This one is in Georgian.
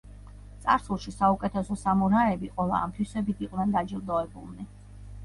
წარსულში, საუკეთესო სამურაები ყველა ამ თვისებით იყვნენ დაჯილდოებულნი.